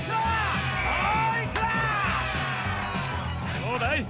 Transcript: どうだい？